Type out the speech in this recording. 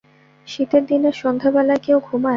শীতের দিনের সন্ধ্যাবেলায় কেউ ঘুমায়?